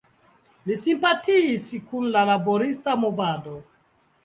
Li simpatiis kun la laborista movado.